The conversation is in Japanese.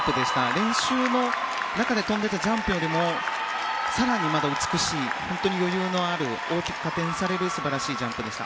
練習の中で跳んでいたジャンプよりも更に美しい余裕のある大きく加点される素晴らしいジャンプでした。